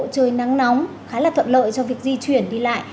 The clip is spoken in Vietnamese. trời nắng nóng khá là thuận lợi cho việc di chuyển đi lại